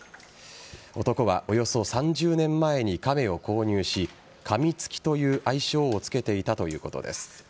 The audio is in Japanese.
男はおよそ３０年前にカメを購入しカミツキという愛称をつけていたということです。